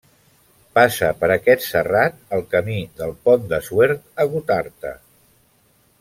Passa per aquest serrat el camí del Pont de Suert a Gotarta.